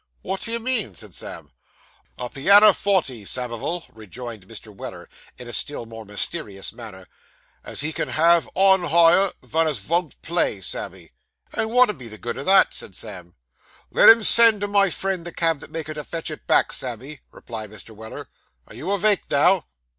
'Wot do you mean?' said Sam. 'A pianner forty, Samivel,' rejoined Mr. Weller, in a still more mysterious manner, 'as he can have on hire; vun as von't play, Sammy.' 'And wot 'ud be the good o' that?' said Sam. 'Let him send to my friend, the cabinet maker, to fetch it back, Sammy,' replied Mr. Weller. 'Are you avake, now?